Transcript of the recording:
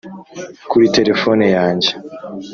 kuri terefone yanjye.